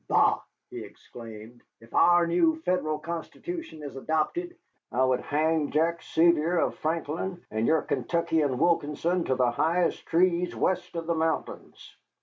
Bah!" he exclaimed, "if our new Federal Constitution is adopted I would hang Jack Sevier of Franklin and your Kentuckian Wilkinson to the highest trees west of the mountains."